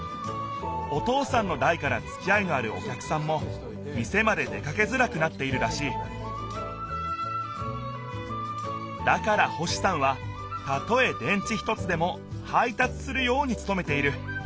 お父さんのだいからつきあいのあるお客さんも店まで出かけづらくなっているらしいだから星さんはたとえ電池一つでも配達するようにつとめている。